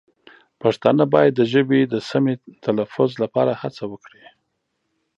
پښتانه باید د ژبې د سمې تلفظ لپاره هڅه وکړي.